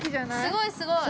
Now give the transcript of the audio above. ◆すごい、すごい。